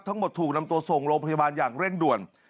ถูกนำตัวส่งโรงพยาบาลอย่างเร่งด่วน